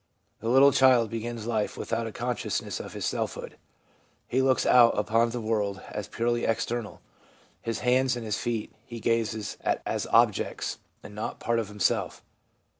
The little child begins life without a consciousness of his selfhood ; he looks out upon the world as purely external ; his hands and his feet he gazes at as objects and not as part of him self.